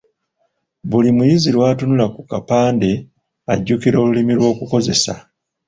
Buli muyizi lw’atunula ku kapande ajjukira Olulimi olw’okukozesa.